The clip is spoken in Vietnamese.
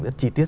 rất chi tiết